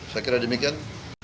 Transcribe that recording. saya kira demikian